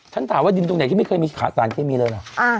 ฉันถามว่าดินตรงไหนที่ไม่เคยมีสารเคมีเลยเหรอ